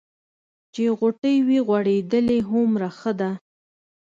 چې غوټۍ وي غوړېدلې هومره ښه ده.